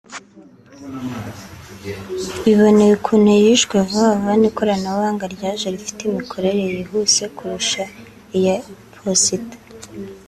biboneye ukuntu yishwe vuba vuba n’ikoranabuhanga ryaje rifite imikorere yihuse kurusha iya posita